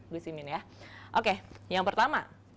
gus imin ya oke yang pertama